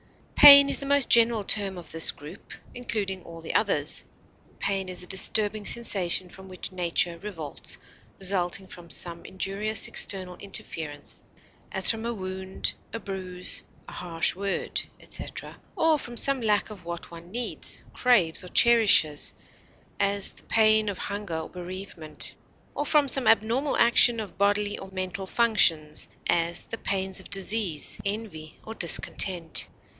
Pain is the most general term of this group, including all the others; pain is a disturbing sensation from which nature revolts, resulting from some injurious external interference (as from a wound, a bruise, a harsh word, etc.), or from some lack of what one needs, craves, or cherishes (as, the pain of hunger or bereavement), or from some abnormal action of bodily or mental functions (as, the pains of disease, envy, or discontent).